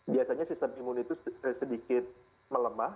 biasanya sistem imun itu sedikit melemah